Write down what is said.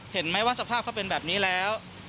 เห็นไหมว่าสภาพเขาเป็นแบบนี้แล้ว